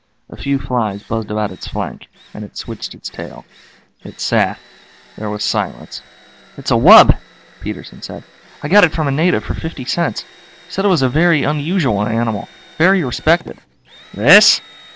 A few flies buzzed about its flank, and it switched its tail. It sat. There was silence. "It's a wub," Peterson said. "I got it from a native for fifty cents. He said it was a very unusual animal. Very respected." "This?"